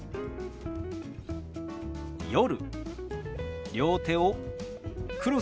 「夜」。